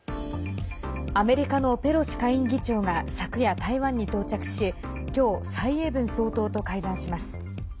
アメリカのペロシ下院議長が昨夜、台湾に到着し今日、蔡英文総統と会談します。